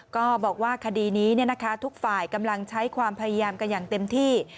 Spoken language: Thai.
ก็บอกว่าคดีนี้ทุกฝ่ายกำลังใช้ความพยายามกันอย่างเต็มที่